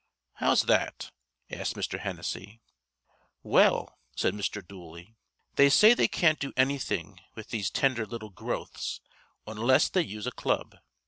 "How's that?" asked Mr. Hennessy. "Well," said Mr. Dooley "they say they can't do anything with these tender little growths onless they use a club.